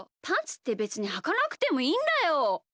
パンツってべつにはかなくてもいいんだよ！